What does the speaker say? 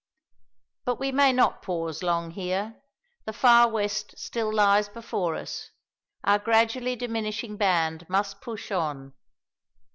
But we may not pause long here. The far west still lies before us. Our gradually diminishing band must push on.